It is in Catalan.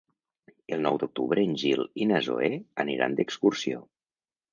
El nou d'octubre en Gil i na Zoè aniran d'excursió.